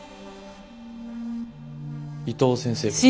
伊藤先生が。